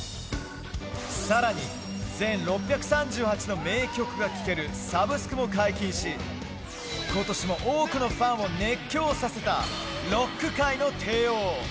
さらに、全６３８の名曲が聴けるサブスクも解禁し、ことしも多くのファンを熱狂させた、ロック界の帝王。